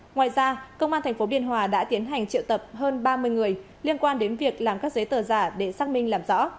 ngoài ra công an tp biên hòa đã tiến hành triệu tập hơn ba mươi người liên quan đến việc làm các giấy tờ giả để xác minh làm rõ